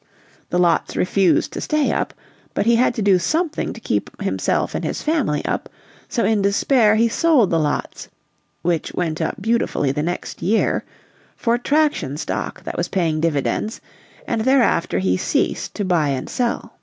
The lots refused to stay up; but he had to do something to keep himself and his family up, so in despair he sold the lots (which went up beautifully the next year) for "traction stock" that was paying dividends; and thereafter he ceased to buy and sell.